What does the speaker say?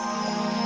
pak kita diri